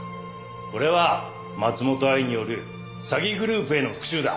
これは松本藍による詐欺グループへの復讐だ！